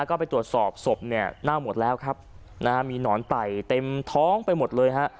ก็ไปตรวจสอบศพเนี่ยเน่าหมดแล้วครับนะฮะมีหนอนไต่เต็มท้องไปหมดเลยฮะ